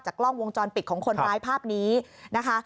กล้องวงจรปิดของคนร้ายภาพนี้นะคะ